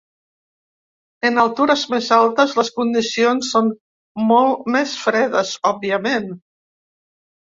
En altures més altes, les condicions són molt més fredes, òbviament.